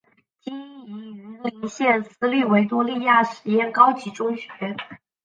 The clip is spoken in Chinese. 经营云林县私立维多利亚实验高级中学。